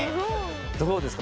どうですか？